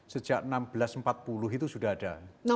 sejak seribu enam ratus empat puluh itu sudah ada